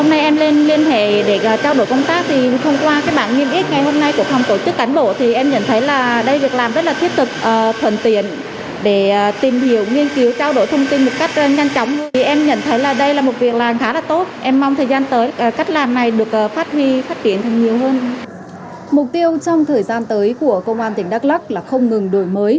mục tiêu trong thời gian tới của công an tỉnh đắk lắc là không ngừng đổi mới